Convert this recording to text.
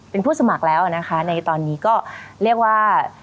เป็นผู้สมัครแล้วนะคะในตอนนี้ก็เรียกว่า